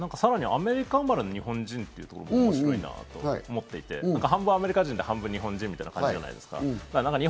アメリカ生まれの日本人というところも、さらに面白いと思っていて、半分アメリカ人、半分日本人みたいな感じじゃないですか。